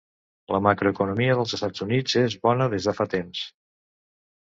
La macroeconomia dels Estats Units és bona des de fa temps.